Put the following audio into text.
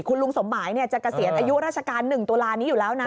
คุณลุงสมหมายจะเกษียณอายุราชการ๑ตุลานี้อยู่แล้วนะ